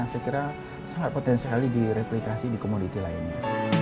saya kira sangat potensial direplikasi di komoditi lainnya